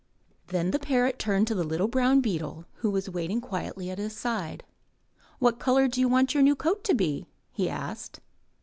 Then the parrot turned to the little brown beetle who was waiting quietly at his side. *'What colour do you want your new coat to be?'* he asked.